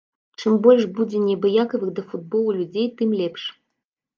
Чым больш будзе неабыякавых да футболу людзей, тым лепш.